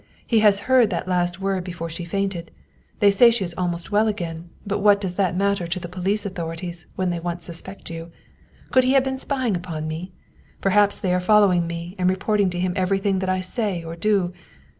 " He has heard of that last word be ' fore she fainted. They say she is almost well again; but what does that matter to the police authorities when they once suspect you? Could he have been spying upon me? Perhaps they are following me and reporting to him every thing that I say or do